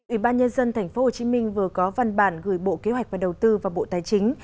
ủy ban nhân dân tp hcm vừa có văn bản gửi bộ kế hoạch và đầu tư và bộ tài chính